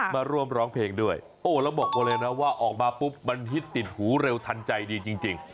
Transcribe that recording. มาร่วมร้องเพลงด้วยโอ้แล้วบอกมาเลยนะว่าออกมาปุ๊บมันฮิตติดหูเร็วทันใจดีจริง